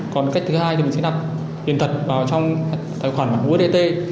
còn cách thứ hai thì mình sẽ nạp tiền thật vào trong tài khoản usdt